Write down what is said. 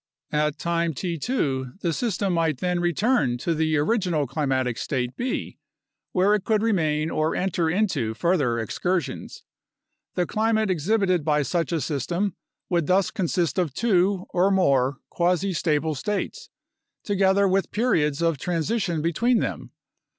At time t 2 the system might then return to the original climatic state B, where it could remain or enter into further excursions. The climate exhibited by such a system would thus consist of two (or more) quasi stable states, together with periods of transition between them.